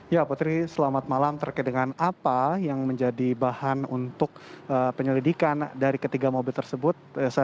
ya putri selamat malam terkait dengan apa yang menjadi bahan untuk penyelidikan dari ketiga mobil tersebut